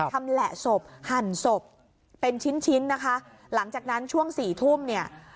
ชำแหละศพหั่นศพเป็นชิ้นชิ้นนะคะหลังจากนั้นช่วงสี่ทุ่มเนี่ย